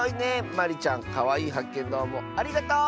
まりちゃんかわいいはっけんどうもありがとう！